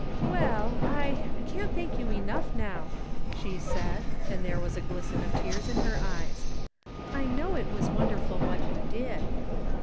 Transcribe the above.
" Well, I — I can't thank you enough now," she said, and there was a glisten of tears in her eyes. " I know it was wonderful what you did."